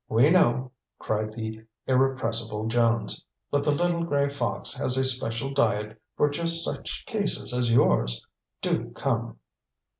We know," cried the irrepressible Jones. "But the Little Gray Fox has a special diet for just such cases as yours. Do come!"